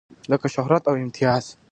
لکه شهرت او امتياز.